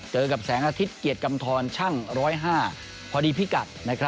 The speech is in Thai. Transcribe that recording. เจอกับแสงอาทิตย์เกียรติกำทร